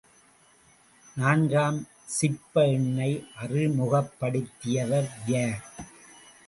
நான்காம் சிப்ப எண்ணை அறிமுகப்படுத்தியவர் யார்?